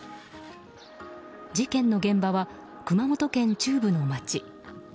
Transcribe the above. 事件の現場は熊本県中部の町。